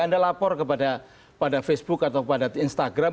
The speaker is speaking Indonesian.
anda lapor kepada facebook atau pada instagram